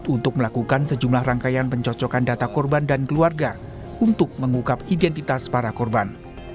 untuk melakukan sejumlah rangkaian pencocokan data korban dan keluarga untuk mengungkap identitas para korban